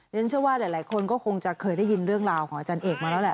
ฉันเชื่อว่าหลายคนก็คงจะเคยได้ยินเรื่องราวของอาจารย์เอกมาแล้วแหละ